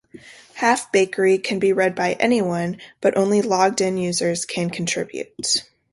Halfbakery can be read by anyone, but only logged-in users can contribute.